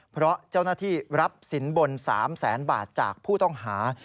เพราะเจ้าหน้าที่รับสินบน๓แสนบาทจากผู้ต้องหา